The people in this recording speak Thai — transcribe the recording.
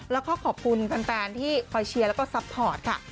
แล้วก็ขอบคุณแฟนที่คอยเชียร์แล้วก็ซัพพอร์ตค่ะ